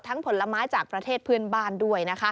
ผลไม้จากประเทศเพื่อนบ้านด้วยนะคะ